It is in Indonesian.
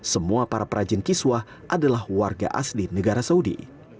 semua para perajin kiswah adalah warga asli negara saudi